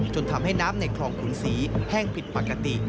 จนทำให้น้ำในคลองขุนศรีแห้งผิดปกติ